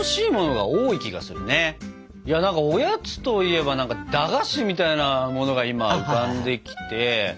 おやつといえば駄菓子みたいなものが今浮かんできて。